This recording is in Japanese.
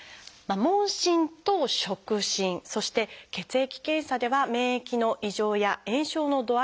「問診と触診」そして「血液検査」では免疫の異常や炎症の度合いを調べます。